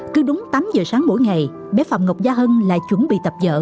cứ đúng tám giờ sáng mỗi ngày bé phạm ngọc gia hân lại chuẩn bị tập dở